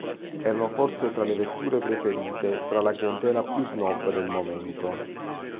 Erano forse tra le vetture preferite tra la clientela più snob del momento.